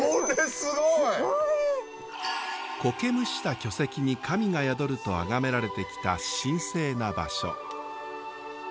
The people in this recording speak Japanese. すごい！こけむした巨石に神が宿るとあがめられてきた神聖な場所。